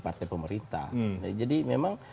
partai pemerintah jadi memang